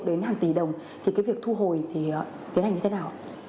đến hàng tỷ đồng thì cái việc thu hồi thì tiến hành như thế nào